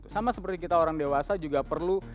sama seperti kita orang dewasa juga perlu